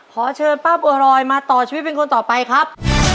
ขอเชิญป้าบัวรอยมาต่อชีวิตเป็นคนต่อไปครับ